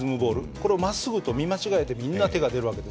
これをまっすぐと見間違えてみんな手が出る訳ですから。